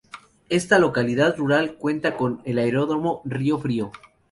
Esta localidad rural cuenta con el Aeródromo Río Frío.